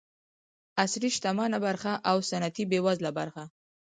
عصري شتمنه برخه او سنتي بېوزله برخه.